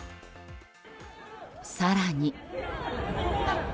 更に。